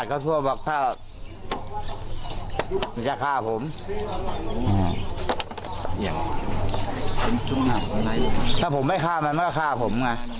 ซึ่งจากการสอบสวนนะครับ